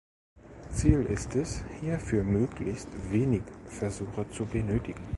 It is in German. Ziel ist es, hierfür möglichst wenig Versuche zu benötigen.